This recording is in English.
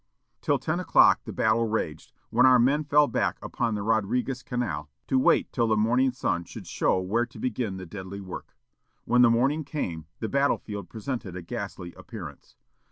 Till ten o'clock the battle raged; when our men fell back upon the Roderiguez canal, to wait till the morning sun should show where to begin the deadly work. When the morning came, the battle field presented a ghastly appearance.